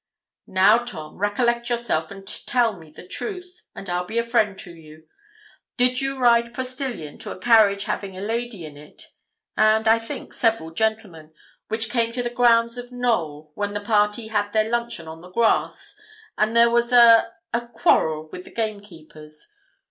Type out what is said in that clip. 'Now, Tom, recollect yourself, and tell me the truth, and I'll be a friend to you. Did you ride postilion to a carriage having a lady in it, and, I think, several gentlemen, which came to the grounds of Knowl, when the party had their luncheon on the grass, and there was a a quarrel with the gamekeepers?